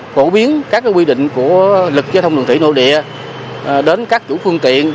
phổ biến các quy định của lực giao thông đường thủy nội địa đến các chủ phương tiện